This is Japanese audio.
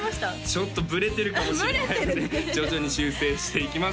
ちょっとぶれてるかもしれないので徐々に修正していきます